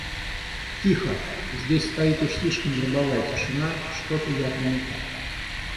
Тихо! Здесь стоит уж слишком гробовая тишина, что-то явно не так.